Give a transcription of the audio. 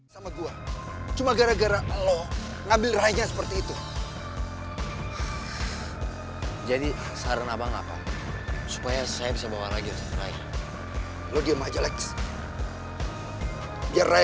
sampai jumpa di video selanjutnya